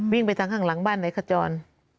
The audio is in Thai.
วิ่งไปทางข้างหลังบ้านไหนขจร